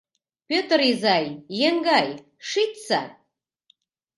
Пӧтыр изай, еҥгай, шичса.